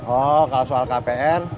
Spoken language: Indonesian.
oh kalau soal kpr